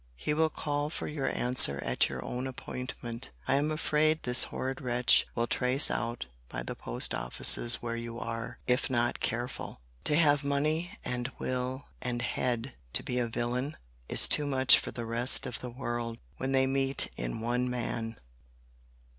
He will call for your answer at your own appointment. I am afraid this horrid wretch will trace out by the post offices where you are, if not careful. To have money, and will, and head, to be a villain, is too much for the rest of the world, when they meet in one man.